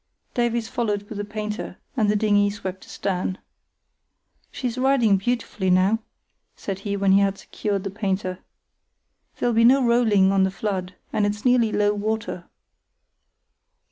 Davies followed with the painter, and the dinghy swept astern. "She's riding beautifully now," said he, when he had secured the painter. "There'll be no rolling on the flood, and it's nearly low water."